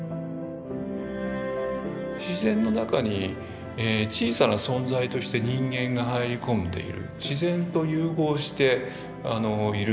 自然の中に小さな存在として人間が入り込んでいる自然と融合しているっていうことですよね。